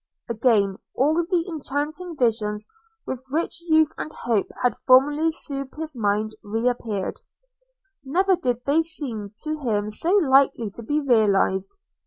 Again all the enchanting visions with which youth and hope had formerly soothed his mind re appeared – never did they seem to him so likely to be realized.